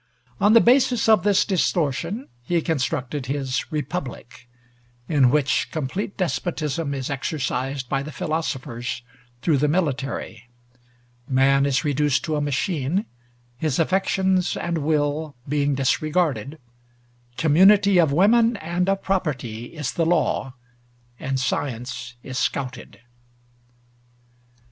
On the basis of this distortion he constructed his Republic, in which complete despotism is exercised by the philosophers through the military; man is reduced to a machine, his affections and will being disregarded; community of women and of property is the law; and science is scouted.